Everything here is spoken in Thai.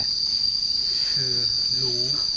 คือรู้